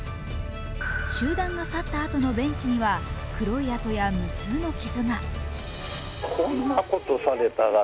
集団が去ったあとのベンチには黒い跡や無数の傷が。